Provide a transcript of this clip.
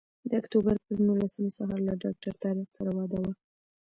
د اکتوبر پر نولسمه سهار له ډاکټر طارق سره وعده وه.